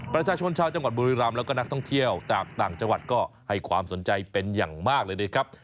ประชาชนชาวจังหวัดบุรีรำแล้วก็นักท่องเที่ยวจากต่างจังหวัดก็ให้ความสนใจเป็นอย่างมากเลยนะครับ